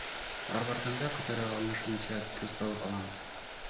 Ар барганда көтөрө алышымча туз салып алам.